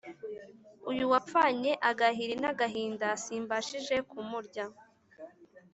Uyu wapfanye agahiri n'agahinda, simbashije kumurya